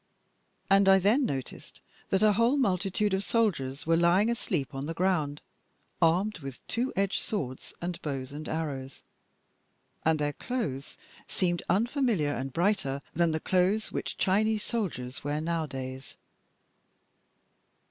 And I then noticed that a whole multitude of soldiers were lying asleep on the ground, armed with two edged swords and bows and arrows. And their clothes seemed unfamiliar and brighter than the clothes which Chinese soldiers wear nowadays.